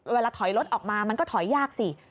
เวลาถอยรถออกมามันก็ถอยยากสิ